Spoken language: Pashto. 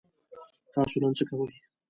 تاسو نن څه کوئ؟